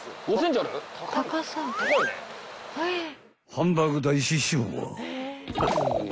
［ハンバーグ大師匠は］